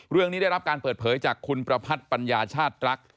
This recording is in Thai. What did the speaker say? ได้รับการเปิดเผยจากคุณประพัทธปัญญาชาติรัก